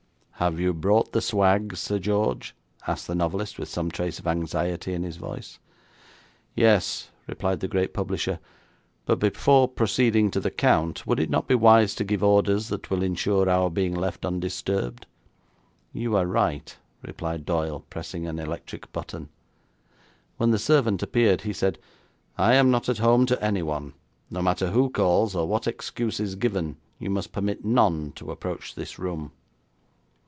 'Have you brought the swag, Sir George?' asked the novelist, with some trace of anxiety in his voice. 'Yes,' replied the great publisher; 'but before proceeding to the count would it not be wise to give orders that will insure our being left undisturbed?' 'You are right,' replied Doyle, pressing an electric button. When the servant appeared he said: 'I am not at home to anyone. No matter who calls, or what excuse is given, you must permit none to approach this room.'